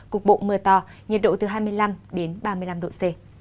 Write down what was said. cục bộ mưa to nhiệt độ từ hai mươi năm đến ba mươi năm độ c